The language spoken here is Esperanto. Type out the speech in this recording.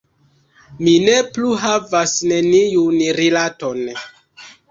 Mi ne plu havas neniun rilaton.